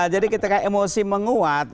jadi kita kayak emosi menguat